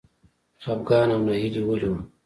خپګان او ناهیلي ولې وه.